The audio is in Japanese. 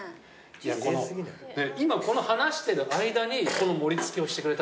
今この話してる間にこの盛り付けをしてくれたわけ？